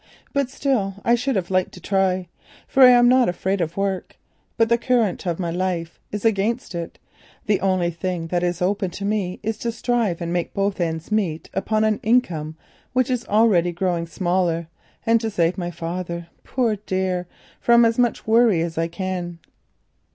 But still I should have liked to try, for I am not afraid of work. But the current of my life is against it; the only thing that is open to me is to strive and make both ends meet upon an income which is always growing smaller, and to save my father, poor dear, from as much worry as I can.